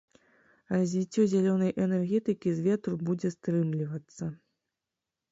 Развіццё зялёнай энергетыкі з ветру будзе стрымлівацца.